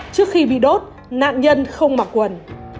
trước khi bị đốt nạn nhân không mặc quần